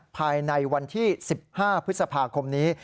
ภายในวันที่๑๕พฤษภาคมนี้